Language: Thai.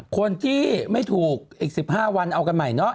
คนที่ไม่ถูกอีก๑๕วันเอากันใหม่เนาะ